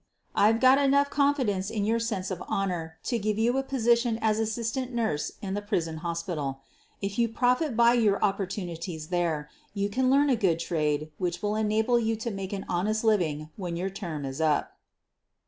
I've got ' nough confidence in your sense of honor to give you a position as assistant nurse in the prison hos 64 SOPHIE LYONS pital. If you profit by your opportunities there, you can learn a good trade which will enable you to make an honest living when your term is up."